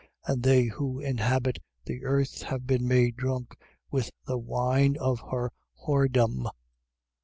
And they who inhabit the earth have been made drunk with the wine of her whoredom.